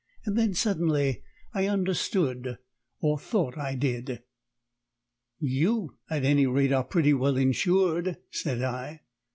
Then suddenly I understood or thought I did. "You, at any rate, are pretty well insured," said I.